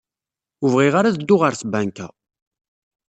Ur bɣiɣ ara ad dduɣ ɣer tbanka.